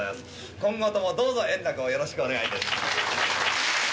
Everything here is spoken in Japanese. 今後ともどうぞ圓楽をよろしくお願いいたします。